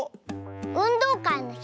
うんどうかいのひ